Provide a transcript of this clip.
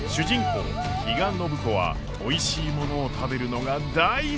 比嘉暢子はおいしいものを食べるのが大好き！